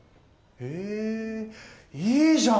へぇいいじゃん！